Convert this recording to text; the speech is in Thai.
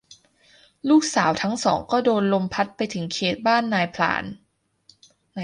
ลูกสาวทั้งสองก็โดนลมพัดไปถึงเขตบ้านนายพราน